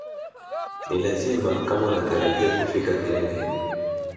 Ni lazima kama unatarajia kufika kileleni